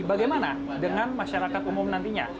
bagaimana dengan masyarakat umum nantinya